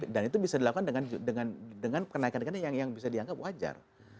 dan itu bisa dilakukan dengan kenaikan kenakan yang bisa dianggap wajar